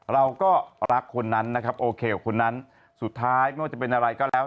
เราก็รักคนนั้นนะครับโอเคกับคนนั้นสุดท้ายไม่ว่าจะเป็นอะไรก็แล้ว